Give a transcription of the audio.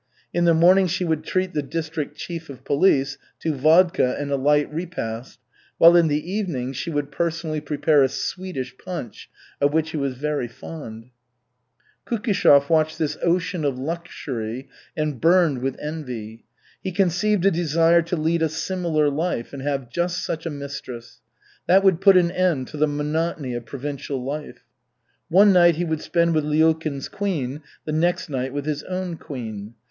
In the morning she would treat the district chief of police to vodka and a light repast, while in the evening she would personally prepare a "Swedish" punch of which he was very fond. Kukishev watched this ocean of luxury and burned with envy. He conceived a desire to lead a similar life and have just such a mistress. That would put an end to the monotony of provincial life. One night he would spend with Lyulkin's queen, the next night with his own queen.